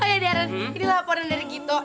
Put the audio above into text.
oh iya darren ini laporan dari gito